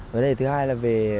vấn đề thứ hai là về